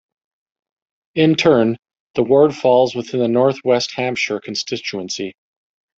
In turn, the ward falls within the North West Hampshire constituency.